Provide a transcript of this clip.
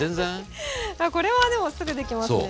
これはでもすぐできますね。